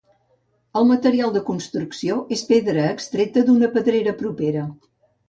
El material de construcció és pedra extreta d'una pedrera propera.